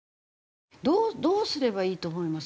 どうすればいいと思います？